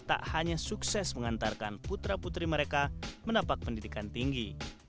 tak hanya sukses mengantarkan putra putri mereka menapak pendidikan tinggi